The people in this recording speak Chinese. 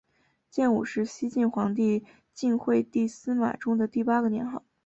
建武是西晋皇帝晋惠帝司马衷的第八个年号。